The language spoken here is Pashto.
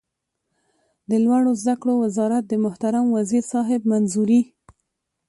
د لوړو زده کړو وزارت د محترم وزیر صاحب منظوري